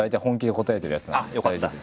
あっよかったです。